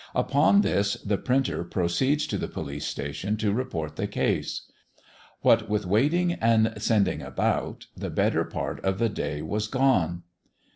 Upon this, the printer proceeds to the police station to report the case. What with waiting and sending about, the better part of the day was gone.